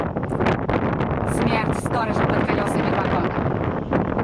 Смерть сторожа под колесами вагона.